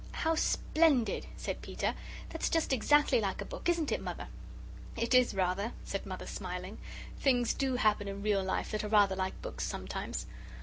"How splendid!" said Peter; "that's just exactly like a book, isn't it, Mother?" "It is, rather," said Mother, smiling; "things do happen in real life that are rather like books, sometimes."